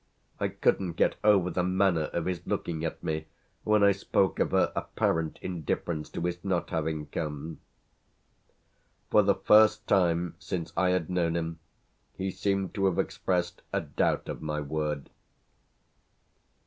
I couldn't get over the manner of his looking at me when I spoke of her apparent indifference to his not having come. For the first time since I had known him he seemed to have expressed a doubt of my word.